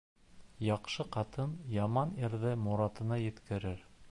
Яҡшы ҡатын яман ирҙе морагына еткерер.